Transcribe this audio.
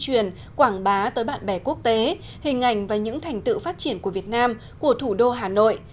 truyền quảng bá tới bạn bè quốc tế hình ảnh và những thành tựu phát triển của việt nam của thủ đô hà nội